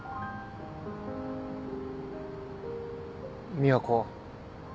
美和子。